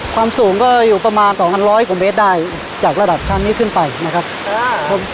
ความสูงก็อยู่ประมาณสองพันร้อยกว่าเมตรได้จากระดับชั้นนี้ขึ้นไปนะครับ